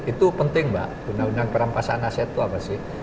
itu penting mbak undang undang perampasan aset itu apa sih